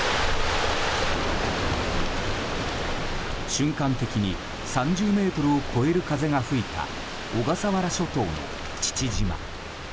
瞬間的に３０メートルを超える風が吹いた小笠原諸島の父島。